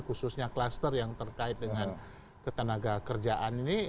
khususnya kluster yang terkait dengan ketenaga kerjaan ini